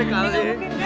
ini ga mungkin ya